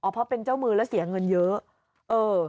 เพราะเป็นเจ้ามือแล้วเสียเงินเยอะ